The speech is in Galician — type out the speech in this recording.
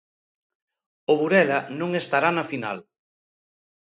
O Burela non estará na final.